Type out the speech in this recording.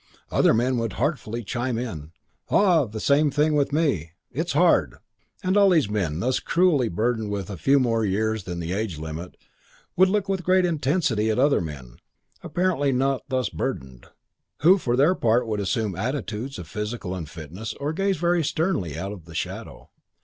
Other men would heartfully chime in, "Ah, same thing with me. It's hard." And all these men, thus cruelly burdened with a few more years than the age limit, would look with great intensity at other men, apparently not thus burdened, who for their part would assume attitudes of physical unfitness or gaze very sternly out of the window.